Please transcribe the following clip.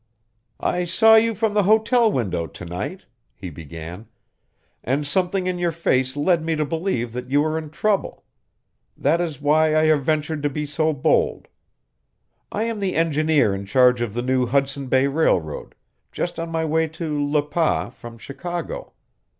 "I saw you from the hotel window to night," he began, "and something in your face led me to believe that you were in trouble. That is why I have ventured to be so bold. I am the engineer in charge of the new Hudson Bay Railroad, just on my way to Le Pas from Chicago.